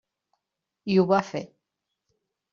I ho va fer.